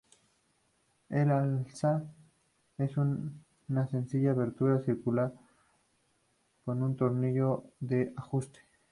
El alza es una sencilla abertura circular con un tornillo de ajuste.